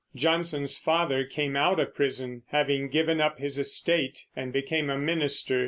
Jonson's father came out of prison, having given up his estate, and became a minister.